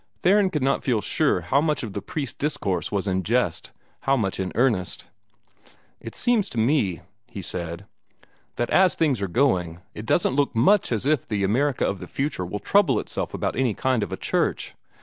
Theron could not feel sure how much of the priest's discourse was in jest, how much in earnest. "It seems to me," he said, "that as things are going, it doesn't look much as if the America of the future will trouble itself about any kind of a church.